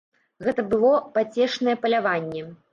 Гэта было пацешнае паляванне.